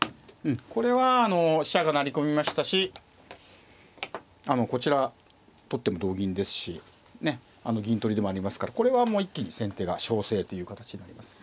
これは飛車が成り込みましたしこちら取っても同銀ですし銀取りでもありますからこれはもう一気に先手が勝勢という形になります。